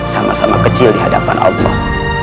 sama sama kecil dihadapan allah